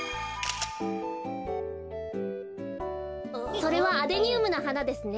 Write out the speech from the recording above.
それはアデニウムのはなですね。